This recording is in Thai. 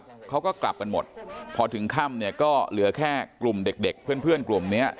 แล้วเขาก็กลับกันหมดพอถึงค่ำเนี่ยก็เหลือแค่กลุ่มเด็กเด็กเพื่อนเพื่อนกลุ่มเนี้ย